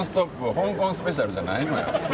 香港スペシャルじゃないのよ。